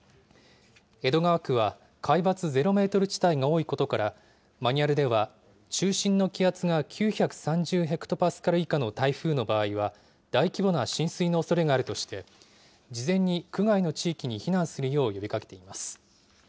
江戸川区は、海抜ゼロメートル地帯が多いことから、マニュアルでは、中心の気圧が９３０ヘクトパスカル以下の台風の場合は、大規模な浸水のおそれがあるとして、事前に区外の地域に避難するよう呼びかけています。